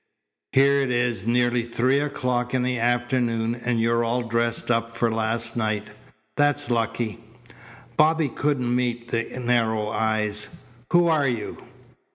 "Here it is nearly three o'clock in the afternoon, and you're all dressed up for last night. That's lucky." Bobby couldn't meet the narrow eyes. "Who are you?"